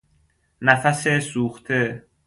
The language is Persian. نفس سوخته